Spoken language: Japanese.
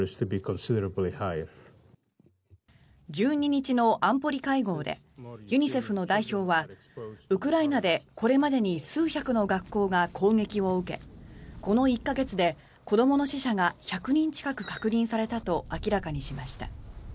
１２日の安保理会合でユニセフの代表はウクライナでこれまでに数百の学校が攻撃を受けこの１か月で子どもの死者が１００人近く確認されたと明らかにしました。